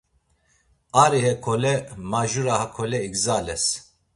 Ari hekole, majura hakole igzales.